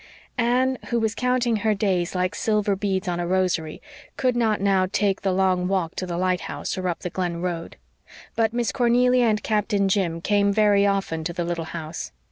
Anne, who was counting her days like silver beads on a rosary, could not now take the long walk to the lighthouse or up the Glen road. But Miss Cornelia and Captain Jim came very often to the little house.